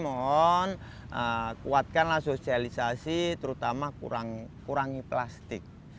mohon kuatkanlah sosialisasi terutama kurangi plastik